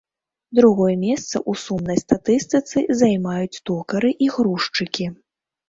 Другое месца ў сумнай статыстыцы займаюць токары і грузчыкі.